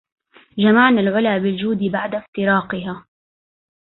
جمعن العلا بالجود بعد افتراقها